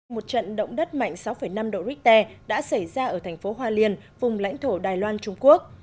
một trận động đất mạnh sáu năm độ richter đã xảy ra ở thành phố hoa liền vùng lãnh thổ đài loan trung quốc